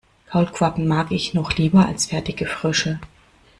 Kaulquappen mag ich noch lieber als fertige Frösche.